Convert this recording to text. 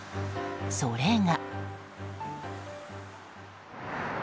それが。